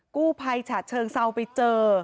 กู้ภัยฉะเชิงเซาไปเจอ